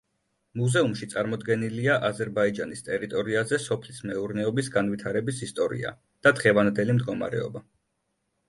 მუზეუმში წარმოდგენილია აზერბაიჯანის ტერიტორიაზე სოფლის მეურნეობის განვითარების ისტორია და დღევანდელი მდგომარეობა.